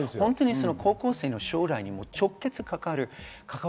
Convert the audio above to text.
高校生の将来に直結します。